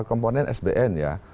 komponen sbn ya